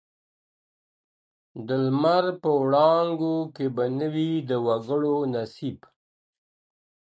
د لمر په وړانګو کي به نه وي د وګړو نصیب.